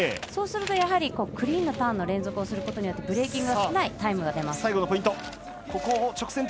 そうすると、クリーンなターンの連続をすることによってブレーキングが少ないタイムが出ます。